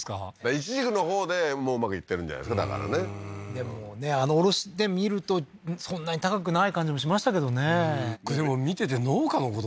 いちじくのほうでうまくいってるんじゃないですかだからねでもねあの卸値見るとそんなに高くない感じもしましたけどねでも見てて農家のこと